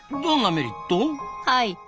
はい。